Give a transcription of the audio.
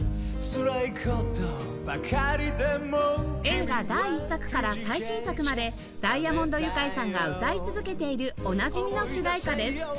映画第１作から最新作までダイアモンドユカイさんが歌い続けているおなじみの主題歌です